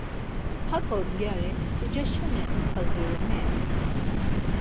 Haǩo bgyari sica şeni xadzirum-i!